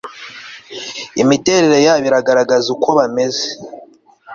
Imiterere yabo iragaragaza uko bameze